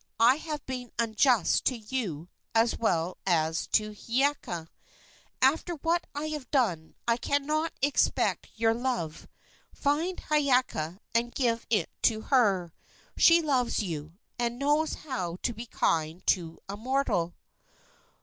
I have been unjust to you as well as to Hiiaka. After what I have done I cannot expect your love. Find Hiiaka and give it to her. She loves you, and knows how to be kind to a mortal."